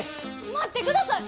待ってください！